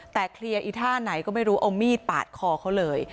แต่เคลียร์อีท่าไหนก็ไม่รู้เอามีดปาดคอเขาเลย